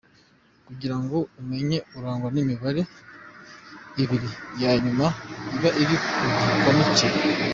Kugira ngo umumenye arangwa n’imibare ibiri ya nyuma iba iri ku gikanu cye.